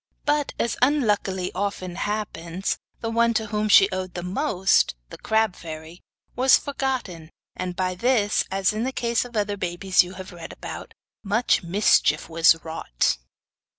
But, as unluckily often happens, the one to whom she owed the most, the crab fairy, was forgotten, and by this, as in the case of other babies you have read about, much mischief was wrought.